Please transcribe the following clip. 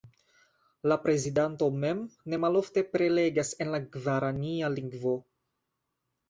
La prezidanto mem ne malofte prelegas en la gvarania lingvo.